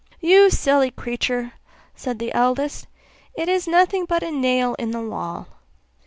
'You silly creature!' said the eldest, 'it is nothing but a nail in the wall.